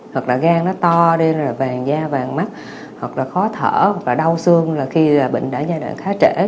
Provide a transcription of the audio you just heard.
hoặc là gan nó to đi là vàng da vàng mắt hoặc là khó thở và đau xương là khi bệnh đã giai đoạn khá trẻ